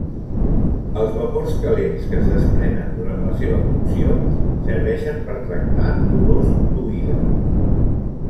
Els vapors calents que es desprenen durant la seva cocció serveixen per tractar dolors d'oïda.